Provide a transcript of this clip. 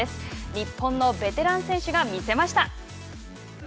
日本のベテラン選手が見せました。